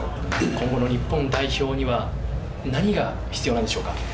今後の日本代表には何が必要なんでしょうか。